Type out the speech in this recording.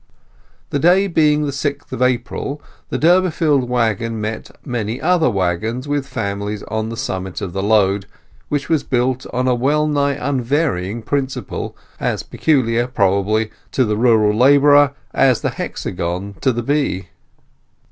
The day being the sixth of April, the Durbeyfield waggon met many other waggons with families on the summit of the load, which was built on a wellnigh unvarying principle, as peculiar, probably, to the rural labourer as the hexagon to the bee.